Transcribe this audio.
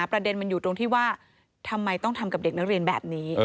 ประเด็นมันอยู่ตรงที่ว่าทำไมต้องทำกับเด็กนักเรียนแบบนี้